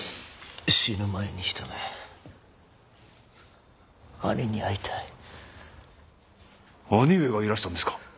死ぬ前にひと目兄に会いたい兄上がいらしたんですか？